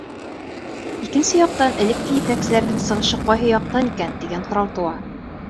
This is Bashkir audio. Икенсе яҡтан, элекке етәкселәрҙең сығышы ҡайһы яҡтан икән, тигән һорау тыуа.